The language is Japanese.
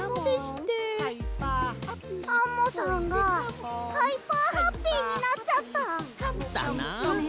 アンモさんがハイハーハッピーになっちゃった。だな。ですね。